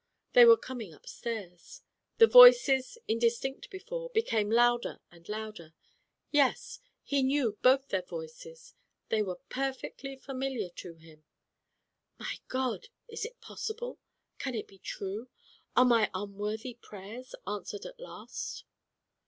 They were coming upstairs. The voices, indistinct before, became louder and louder. Yes; he knew both their voices. They were perfectly familiar to him. *'My God, is it possible? Can it be true? Are my unworthy prayers answered at last?"